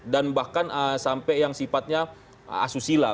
dan bahkan sampai yang sifatnya asusila